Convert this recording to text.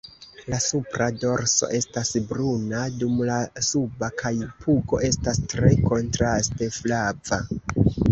La supra dorso estas bruna, dum la suba kaj pugo estas tre kontraste flava.